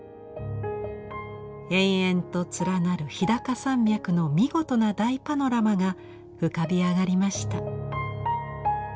延々と連なる日高山脈の見事な大パノラマが浮かび上がりました。